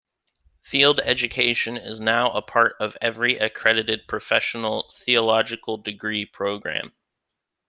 Field education is now a part of every accredited professional theological degree program.